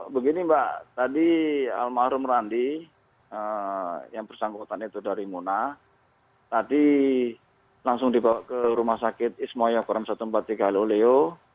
begini mbak tadi almarhum randi yang bersangkutan itu dari mona tadi langsung dibawa ke rumah sakit ismoya korem satu ratus empat puluh tiga haloleo